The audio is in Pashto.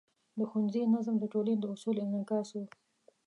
د ښوونځي نظم د ټولنې د اصولو انعکاس و.